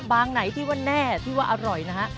งไหนที่ว่าแน่ที่ว่าอร่อยนะฮะ